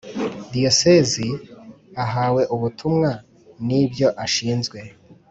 diyosezi ahawe ubutumwa n’ibyo ashinzwe